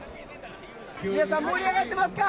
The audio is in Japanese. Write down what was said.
皆さん盛り上がってますか？